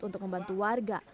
untuk membantu warga